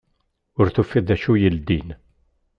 Ur tufiḍ d acu yeldin.